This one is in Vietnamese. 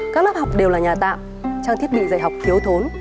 các lớp học đều là nhà tạm trang thiết bị dạy học thiếu thốn